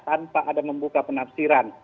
tanpa ada membuka penafsiran